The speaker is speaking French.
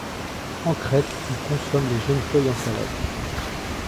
En Crète, on consomme les jeunes feuilles en salade.